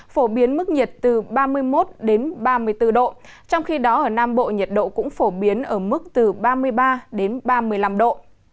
phổ biến mức nhiệt từ ba mươi một ba mươi bốn độ trong khi đó ở nam bộ nhiệt độ cũng phổ biến ở mức từ ba mươi ba đến ba mươi năm độ